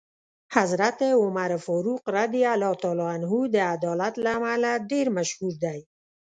حضرت عمر فاروق رض د عدالت له امله ډېر مشهور دی.